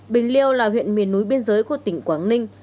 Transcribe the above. bình liêu là huyện miền núi biên giới của tỉnh quảng ninh